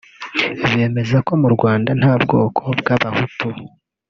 bemeza ko mu Rwanda nta bwoko bw’abahutu